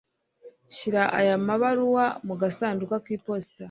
Shyira aya mabaruwa mu gasanduku k'iposita.